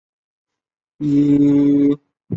她曾先后担任该组织的署理主席。